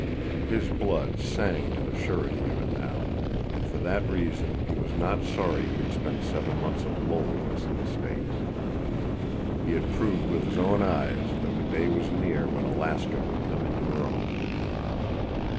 His blood sang to the surety of it now, and for that reason he was not sorry he had spent seven months of loneliness in the States. He had proved with his own eyes that the day was near when Alaska would come into her own.